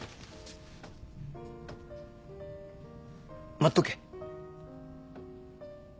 待っとけ。